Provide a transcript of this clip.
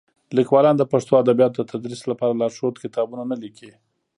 لیکوالان د پښتو ادبیاتو د تدریس لپاره لارښود کتابونه نه لیکي.